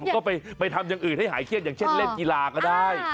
ก็ไปทำอย่างอื่นให้หายเครียดอย่างเช่นเล่นกีฬาก็ได้